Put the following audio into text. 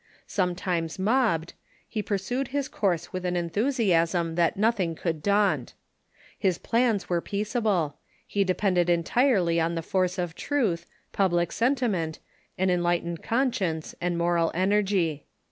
Sometimes mobbed, he pursued his course with an enthusiasm that nothing could daunt. His plans were peaceable ; he depended entirely on the force of truth, public sentiment, an enlightened conscience, and moral energy.